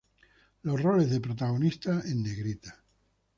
Los roles de protagonista en negrita.